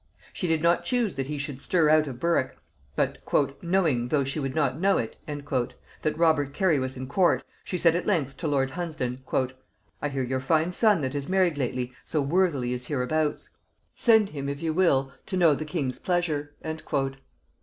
She did not choose that he should stir out of Berwick; but "knowing, though she would not know it," that Robert Cary was in court, she said at length to lord Hunsdon, "I hear your fine son that has married lately so worthily is hereabouts; send him if you will to know the king's pleasure."